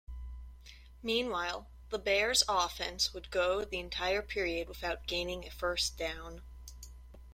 Meanwhile, the Bears offense would go the entire period without gaining a first down.